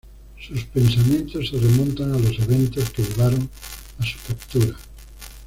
Sus pensamientos se remontan a los eventos que llevaron a su captura.